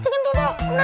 tunggu tolongin aku aja